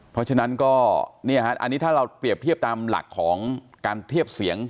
เพราะฉะนั้นก็อันนี้ถ้าเราเปรียบเทียบตามหลักของการเทียบเสียง